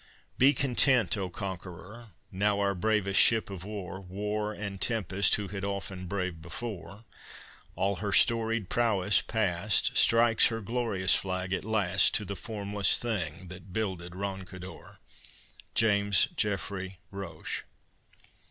Be content, O conqueror! Now our bravest ship of war, War and tempest who had often braved before, All her storied prowess past, Strikes her glorious flag at last To the formless thing that builded Roncador. JAMES JEFFREY ROCHE.